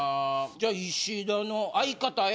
じゃあ石田の「相方へ」？